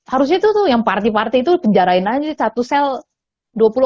harusnya tuh yang party party itu penjarain aja satu cell